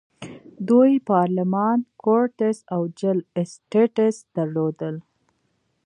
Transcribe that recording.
دوی پارلمان، کورټس او جل اسټټس درلودل.